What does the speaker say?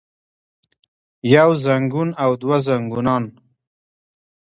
يو زنګون او دوه زنګونان